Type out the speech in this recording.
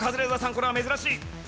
これは珍しい。